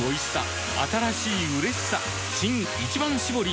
新「一番搾り」